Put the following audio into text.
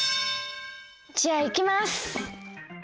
じゃあいきます。